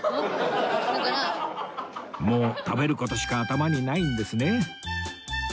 もう食べる事しか頭にないんですね！